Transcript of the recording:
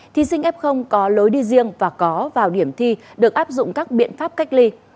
thí sinh f có lối đi riêng và có vào điểm thi được áp dụng các biện pháp cách ly